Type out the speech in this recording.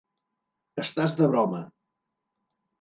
Estàs de broma!